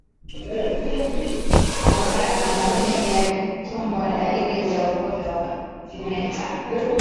Kuhara na maumivu ya tumbo ni dalili za ugonjwa wa kimeta